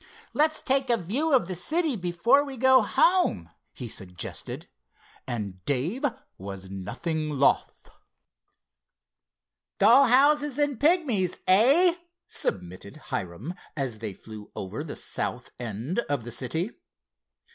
"Let's take a view of the city before we go home," he suggested, and Dave was nothing loth. "Doll houses and pigmies; eh?" submitted Hiram, as they flew over the south end of the city.